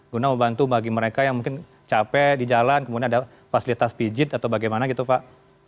guna membantu bagi mereka yang mungkin capek di jalan kemudian ada fasilitas pijit atau bagaimana gitu pak